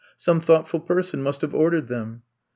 Some thoughtful person must have ordered them."